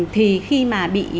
thì khi mà bị